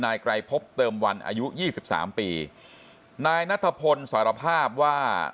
นายไกรพบเติมวันอายุ๒๓ปีนายนัทพลสารภาพว่า